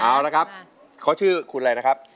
เอาละครับเขาชื่อคุณอะไรนะครับ